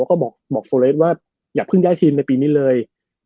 แล้วก็บอกโซเลสว่าอย่าเพิ่งย้ายทีมในปีนี้เลย